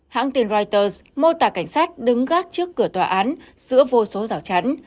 hãng tin reuters mô tả cảnh sát đứng gác trước cửa tòa án giữa vô số rào chắn